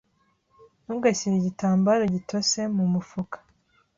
Ntugashyire igitambaro gitose mumufuka